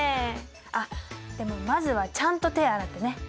あっでもまずはちゃんと手洗ってね。